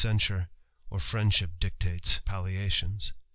censure, or friendship dictates palliations.